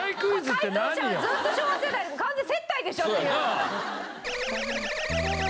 解答者はずっと昭和世代完全接待でしょ！っていう。